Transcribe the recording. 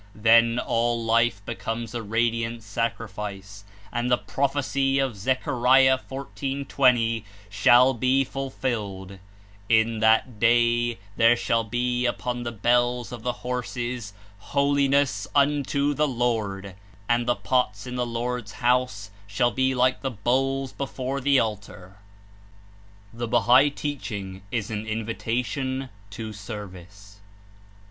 Then all life becomes a radiant sacrifice, and the prophecy of Zechariah 14.20 shall be fulfilled: "/;/ that day there shall be upon the hells of the horses HOLINESS UNTO THE LORD, and the pots in the Lord^s house shall he like the bowls before the altar J' ^Al THE BAIIAI TEACHING IS AN INVITATION TO SERVICE.